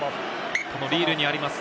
リールにあります